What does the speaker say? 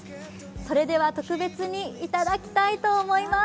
それでは特別にいただきたいと思います。